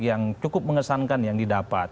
yang cukup mengesankan yang didapat